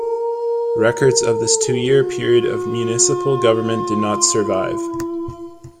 Records of this two-year period of municipal government did not survive.